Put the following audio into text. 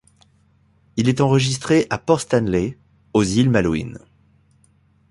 Il est enregistré à Port Stanley, aux îles Malouines.